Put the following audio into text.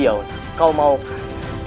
iya unang kau maukan ikut dengan aku